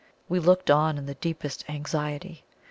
We looked on in the deepest anxiety.